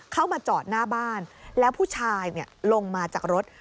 เข้ามาจอดหน้าบ้านแล้วผู้ชายลงมาจากรถ